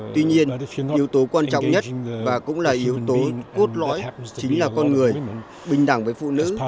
tuy nhiên yếu tố quan trọng nhất và cũng là yếu tố cốt lõi chính là con người bình đẳng với phụ nữ